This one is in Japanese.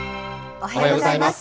おはようございます。